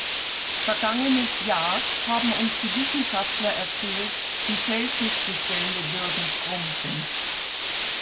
Vergangenes Jahr haben uns die Wissenschaftler erzählt, die Schellfischbestände würden schrumpfen.